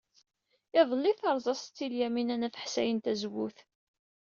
Iḍelli ay terẓa Setti Lyamina n At Ḥsayen tazewwut.